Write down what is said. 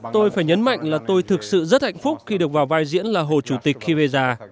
tôi phải nhấn mạnh là tôi thực sự rất hạnh phúc khi được vào vai diễn là hồ chủ tịch khi về già